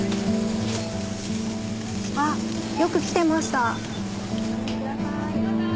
あっよく来てました。